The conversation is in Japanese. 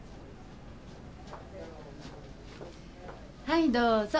はいどうぞ。